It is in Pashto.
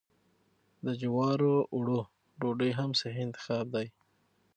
د جوارو اوړو ډوډۍ هم صحي انتخاب دی.